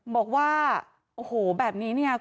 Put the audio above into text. บอกว่าแบบนี้เนี่ย